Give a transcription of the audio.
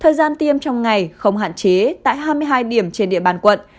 thời gian tiêm trong ngày không hạn chế tại hai mươi hai điểm trên địa bàn quận